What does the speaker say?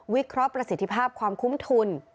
เคราะห์ประสิทธิภาพความคุ้มทุน